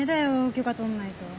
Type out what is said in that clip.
許可取んないと。